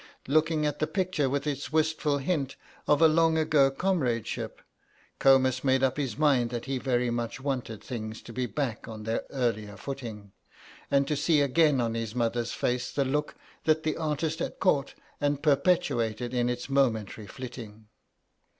Looking at the picture with its wistful hint of a long ago comradeship, Comus made up his mind that he very much wanted things to be back on their earlier footing, and to see again on his mother's face the look that the artist had caught and perpetuated in its momentary flitting.